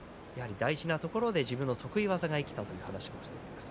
大事なところで自分の得意技が生きたという話をしていました。